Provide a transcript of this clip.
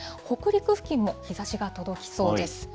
北陸付近も日ざしが届きそうです。